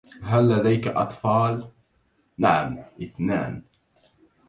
هل لديك أطفال؟ "نعم، اثنان."